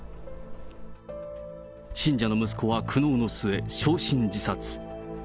信者の息子は苦悩の末、焼身自殺。